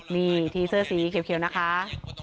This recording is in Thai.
นี่ที่เสื้อสีเขียวนะคะ